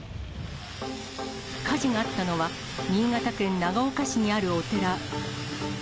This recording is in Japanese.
火事があったのは新潟県長岡市にあるお寺。